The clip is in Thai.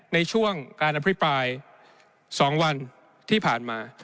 ในช่วงการอภิปราย๒วันที่ผ่านมา